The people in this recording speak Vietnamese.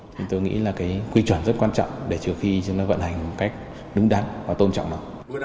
thì tôi nghĩ là cái quy chuẩn rất quan trọng để trừ khi chúng ta vận hành một cách đúng đắn và tôn trọng nó